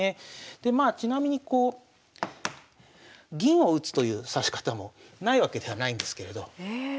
でまあちなみにこう銀を打つという指し方もないわけではないんですけれど。え。